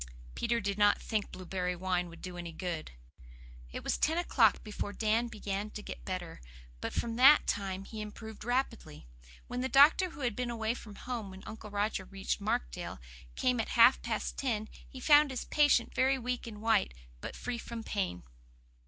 Peter did not think blueberry wine would be any good. It was ten o'clock before Dan began to get better; but from that time he improved rapidly. When the doctor, who had been away from home when Uncle Roger reached Markdale, came at half past ten, he found his patient very weak and white, but free from pain.